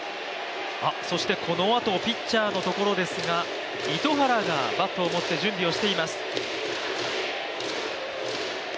そしてこのあと、ピッチャーのところですが糸原がバットを持って準備をしています。